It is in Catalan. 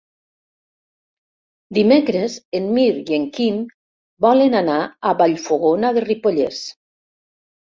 Dimecres en Mirt i en Quim volen anar a Vallfogona de Ripollès.